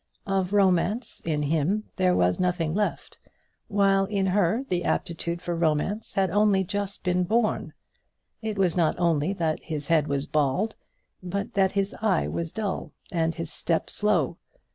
Of romance in him there was nothing left, while in her the aptitude for romance had only just been born. It was not only that his head was bald, but that his eye was dull, and his step slow.